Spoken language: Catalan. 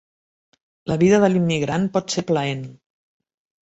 La vida de l'immigrant pot ser plaent.